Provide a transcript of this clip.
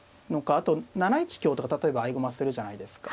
あと７一香とか例えば合駒するじゃないですか。